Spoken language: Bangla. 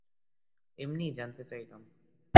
এমনিই জানতে চাইলাম।